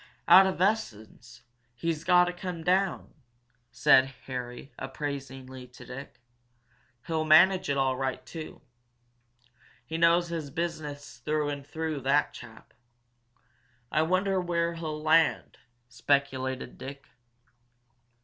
"Out of essense he's got to come down," said Harry, appraisingly, to Dick. "He'll manage it all right, too. He knows his business through and through, that chap." "I wonder where he'll land," speculated Dick.